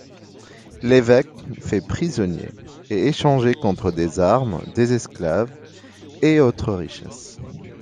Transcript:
L'évêque, fait prisonnier, est échangé contre des armes, des esclaves, et autres richesses.